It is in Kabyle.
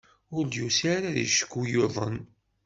Ur d-yusi ara acku yuḍen.